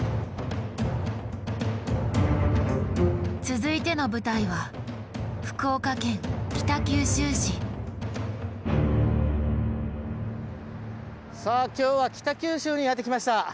続いての舞台はさあ今日は北九州にやって来ました。